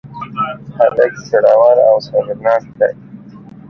هلک زړور او صبرناک دی.